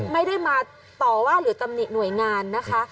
ไม่ได้มาต่อว่าหรือตำหนิหน่วยงานนะคะ